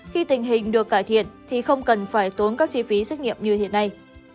khi tình hình được cải thiện thì không cần phải tốn các chi phí xét nghiệm như thế này